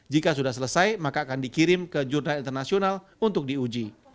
jika sudah selesai maka akan dikirim ke jurnal internasional untuk diuji